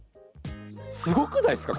すごくないっすか？